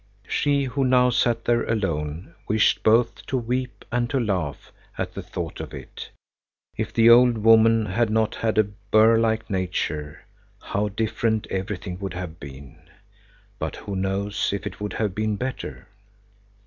She, who now sat there alone, wished both to weep and to laugh at the thought of it. If the old woman had not had a burr like nature, how different everything would have been! But who knows if it would have been better?